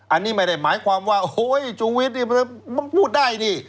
อันนี้ไม่ได้หมายความว่าโอ้ยจุงวิทย์พูดได้นี่